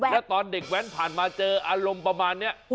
แล้วตอนเด็กแว้นผ่านมาเจออารมณ์ประมาณนี้